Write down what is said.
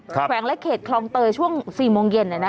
แขวงและเขตคลองเตยช่วง๔โมงเย็น